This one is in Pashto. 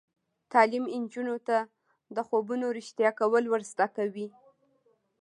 تعلیم نجونو ته د خوبونو رښتیا کول ور زده کوي.